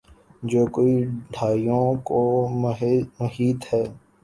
جو کئی دھائیوں کو محیط ہے۔